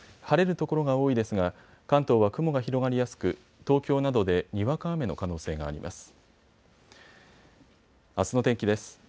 晴れる所が多いですが、関東は雲が広がりやすく東京などでにわか雨の可能性があります。